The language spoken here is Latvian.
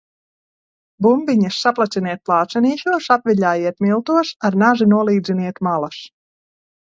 Bumbiņas saplaciniet plācenīšos, apviļājiet miltos, ar nazi nolīdziniet malas.